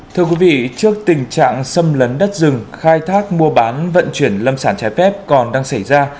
thưa quý vị trước tình trạng xâm lấn đất rừng khai thác mua bán vận chuyển lâm sản trái phép còn đang xảy ra